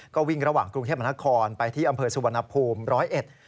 ก็วิ่งระหว่างกรุงเทพมนาคอนไปที่อำเภอสุวรรณภูมิร้อยเอ็ด